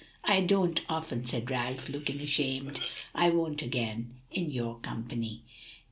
"I don't often," said Ralph, looking ashamed, "I won't again in your company."